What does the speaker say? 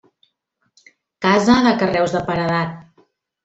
Casa de carreus de paredat.